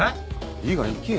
いいから行けよ。